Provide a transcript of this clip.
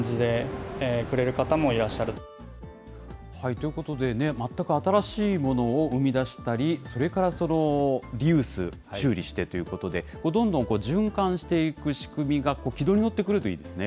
ということで、全く新しいものを生み出したり、それからリユース、修理してということで、どんどん循環していく仕組みが軌道に乗ってくるといいですね。